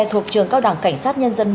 thuộc trường cao đảng cảnh sát nhân dân một